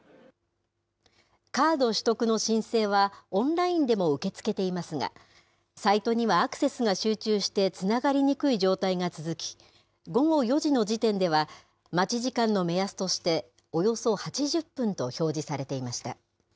カード取得の申請はオンラインでも受け付けていますが、サイトにはアクセスが集中して、つながりにくい状態が続き、午後４時の時点では、待ち時間の目安として、およそ８０分と表示されていました。